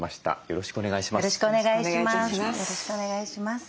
よろしくお願いします。